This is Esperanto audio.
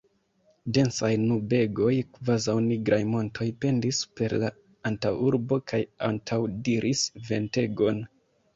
Densaj nubegoj, kvazaŭ nigraj montoj, pendis super la antaŭurbo kaj antaŭdiris ventegon.